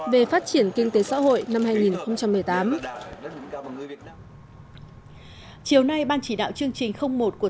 về phát triển kinh tế xã hội năm hai nghìn một mươi tám chiều nay ban chỉ đạo chương trình một của